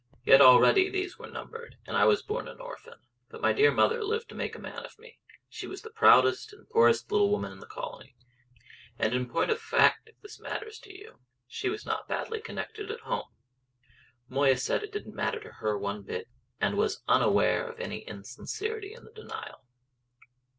Yet already these were numbered, and I was born an orphan. But my dear mother lived to make a man of me: she was the proudest and the poorest little woman in the colony; and in point of fact (if this matters to you) she was not badly connected at home." Moya said that it didn't matter to her one bit; and was unaware of any insincerity in the denial.